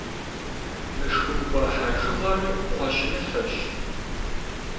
Мышхумпӏэ хьэжыгъэр кхъуэщыныфэщ.